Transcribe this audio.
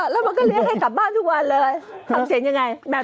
อ่อแล้วมันก็เลือกให้กลับบ้านทุกวันเลย